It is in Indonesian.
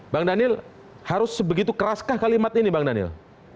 bang daniel harus begitu keras kah kalimat ini bang daniel